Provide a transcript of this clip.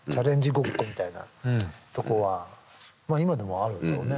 ごっこみたいなとこは今でもあるんだろうね。